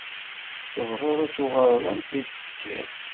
Tebɣiḍ ad tuɣaleḍ ansa i d-tekkiḍ?